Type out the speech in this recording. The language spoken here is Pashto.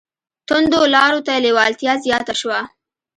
توندو لارو ته لېوالتیا زیاته شوه